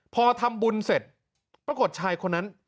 พอทำบุญเสร็จปรากฏชายคนนั้น